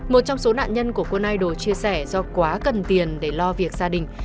một trong số nạn nhân của quân ider chia sẻ do quá cần tiền để lo việc gia đình